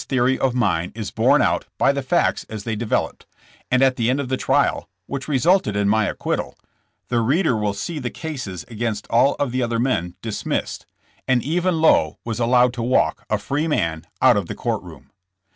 theory of mine is borne out by the facts as they de veloped, and at the end of the trial, which resulted in my acquittal, the reader will see the cases against all of the other men dismissed, and even Lowe was allowed to walk, a free man, out of the court room.